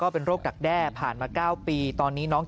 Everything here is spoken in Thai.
เพราะวัสเซอรีนนะครับ